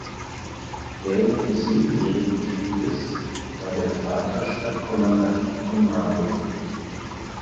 Während des Siebenjährigen Krieges war der Vater Stadtkommandant von Marburg.